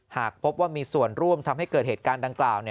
หากพบว่ามีส่วนร่วมทำให้เกิดเหตุการณ์ดังกล่าว